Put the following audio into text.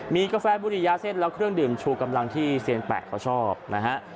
มีกาแฟบุรียาเส้นแล้วเครื่องดื่มชูกำลังที่เซียนแปะเขาชอบนะฮะ